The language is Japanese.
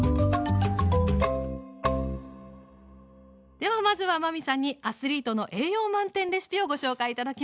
ではまずは真海さんにアスリートの栄養満点レシピをご紹介頂きます。